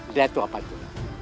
lihat tuh apa itu